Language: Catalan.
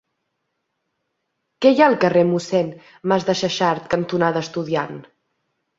Què hi ha al carrer Mossèn Masdexexart cantonada Estudiant?